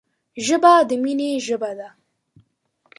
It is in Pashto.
ژبه د مینې ژبه ده